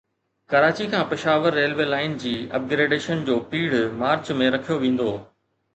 ڪراچي کان Peshawar railway line جي upgradation جو پيڙهه مارچ ۾ رکيو ويندو